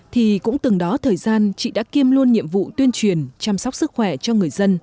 thì cũng từng đó thời gian chị đã kiêm luôn nhiệm vụ tuyên truyền chăm sóc sức khỏe cho người dân